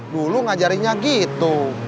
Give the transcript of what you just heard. dulu ngajarinya gitu